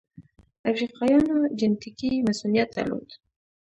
افریقایانو جنټیکي مصوونیت درلود.